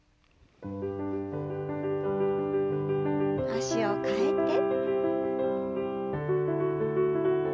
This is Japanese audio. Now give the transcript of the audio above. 脚を替えて。